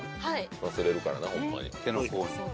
忘れるからなホンマに。